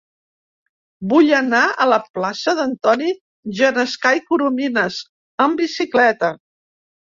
Vull anar a la plaça d'Antoni Genescà i Corominas amb bicicleta.